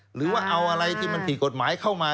หรือว่าเอาอะไรที่มันผิดกฎหมายเข้ามา